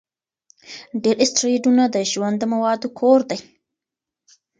ډېر اسټروېډونه د ژوند د موادو کور دي.